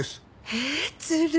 ええずるい。